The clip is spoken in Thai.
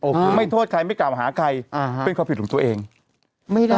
คือไม่โทษใครไม่กล่าวหาใครอ่าฮะเป็นความผิดของตัวเองไม่ได้